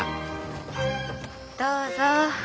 どうぞ。